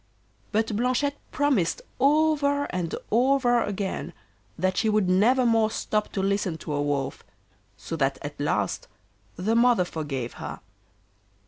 But Blanchette promised over and over again that she would never more stop to listen to a Wolf, so that at last the mother forgave her.